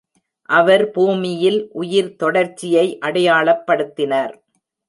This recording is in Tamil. அவர் பூமியில் உயிர் தொடர்ச்சியை அடையாளப்படுத்தினார்.